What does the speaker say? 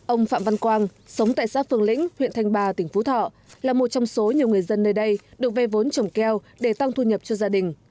ông phạm văn quang sống tại xã phường lĩnh huyện thanh ba tỉnh phú thọ là một trong số nhiều người dân nơi đây được ve vốn trồng keo để tăng thu nhập cho gia đình